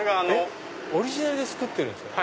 オリジナルで作ってるんですか